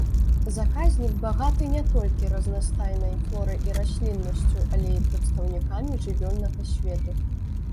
Заказнік багаты не толькі разнастайнай флорай і расліннасцю, але і прадстаўнікамі жывёльнага свету.